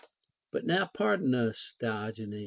But now pardon us, Diogenes.